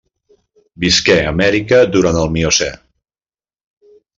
Visqué a Amèrica durant el Miocè.